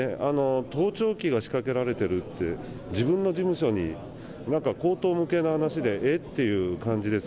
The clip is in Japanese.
盗聴器が仕掛けられてるって、自分の事務所に、荒唐無けいな話で、えっていう感です。